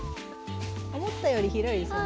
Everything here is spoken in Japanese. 思ったより広いですよね。